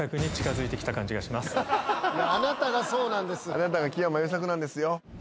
あなたが木山裕策なんですよ。